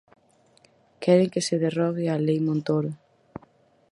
Queren que se derrogue a Lei Montoro.